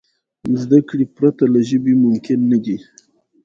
زدهکړې پرته له ژبي ممکن نه دي.